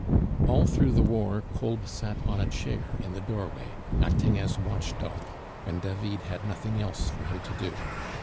All through the war Kolb sat on a chair in the doorway, acting as watch dog, when David had nothing else for him to do.